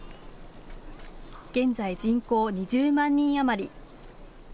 現在、人口２０万人余り。